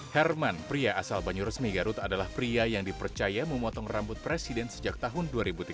herman pria asal banyuresmi garut adalah pria yang dipercaya memotong rambut presiden sejak tahun dua ribu tiga belas